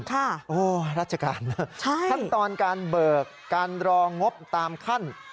ค่ะโอ้โฮราชการนะครับขั้นตอนการเบิกการรองงบตามขั้น